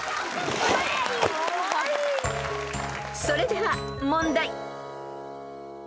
［それでは問題］